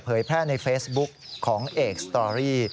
แพร่ในเฟซบุ๊กของเอกสตอรี่